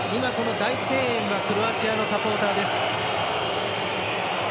大声援がクロアチアのサポーターです。